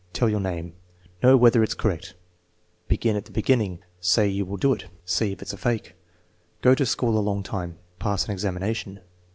"Tell your name." "Know whether it's correct." "Begin at the beginning." "Say you will do it." "See if it's a fake." "Go to school a long time." "Pass an examination."